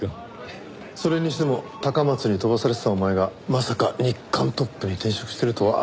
それにしても高松に飛ばされてたお前がまさか日刊トップに転職してるとは。